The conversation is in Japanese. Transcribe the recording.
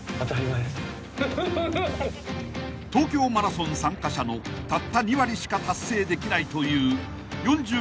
［東京マラソン参加者のたった２割しか達成できないという４２．１９５